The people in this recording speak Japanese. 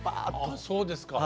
あそうですか。